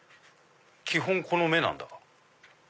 基本この目なんだ。